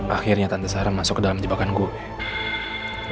akhirnya tante sarah masuk ke dalam jebakan gue